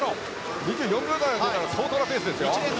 ２４秒台が出たら相当なペースですよ。